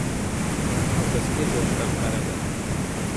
Otasiga jovdirab qaradi.